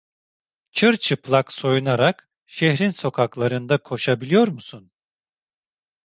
Çırçıplak soyunarak şehrin sokaklarında koşabiliyor musun?